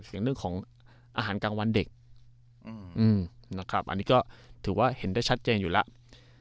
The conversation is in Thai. เรื่องของอาหารกลางวันเด็กนะครับอันนี้ก็ถือว่าเห็นได้ชัดเจนอยู่แล้ว